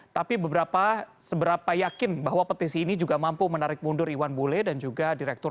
tapi beberapa seberapa yakin bahwa petisi ini juga mampu menarik mundur iwan bule dan juga direktur